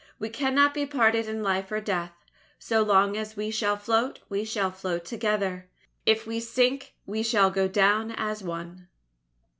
We cannot be parted in life or death. So long as we shall float, we shall float together. If we sink, we shall go down as one.